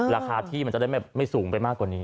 ราคาที่มันจะได้ไม่สูงไปมากกว่านี้